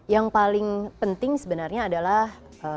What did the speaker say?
yang paling penting sebenarnya adalah